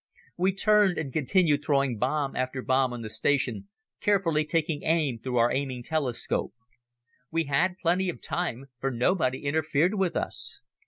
We turned and continued throwing bomb after bomb on the station, carefully taking aim through our aiming telescope. We had plenty of time for nobody interfered with us.